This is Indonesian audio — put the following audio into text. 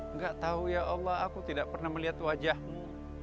enggak tahu ya allah aku tidak pernah melihat wajahmu